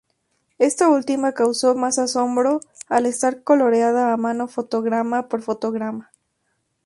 Esta última causó más asombro al estar coloreada a mano fotograma por fotograma.